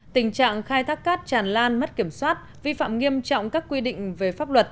tình trạng khai thác cát tràn lan mất kiểm soát vi phạm nghiêm trọng các quy định về pháp luật